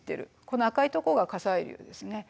この赤いとこが火砕流ですね。